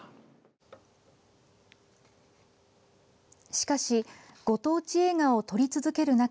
しかしご当地映画を撮り続ける中